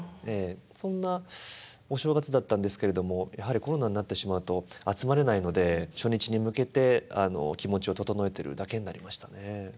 そんなお正月だったんですけれどもやはりコロナになってしまうと集まれないので初日に向けて気持ちを整えてるだけになりましたね。